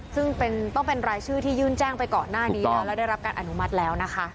ซึ่งต้องเป็นรายชื่อที่ยื่นแจ้งไปก่อนหน้านี้แล้วได้รับการอนุมัติแล้วนะคะ